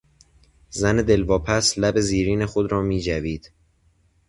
زن دلواپس، لب زیرین خود را میجوید.